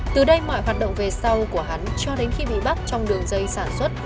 từ đây mọi hoạt động về sau của hắn cho đến khi bị bắt trong đường dây sản xuất